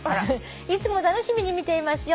「いつも楽しみに見ていますよ。